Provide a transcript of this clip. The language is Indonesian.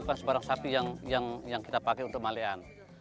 bukan sebarang sapi yang kita pakai untuk malean